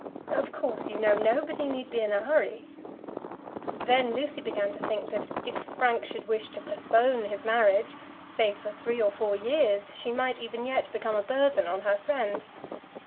Of course, you know, nobody need be in a hurry." Then Lucy began to think that if Frank should wish to postpone his marriage, say for three or four years, she might even yet become a burthen on her friend.